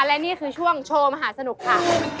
และนี่คือช่วงโชว์มหาสนุกค่ะ